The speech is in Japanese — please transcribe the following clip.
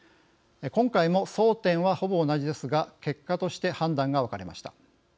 今回も争点は、ほぼ同じですが結果として判断が分かれました。